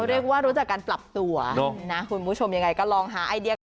เรียกว่ารู้จักการปรับตัวนะคุณผู้ชมยังไงก็ลองหาไอเดียกัน